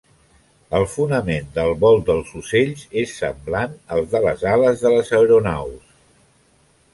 El fonament del vol dels ocells és semblant al de les ales de les aeronaus.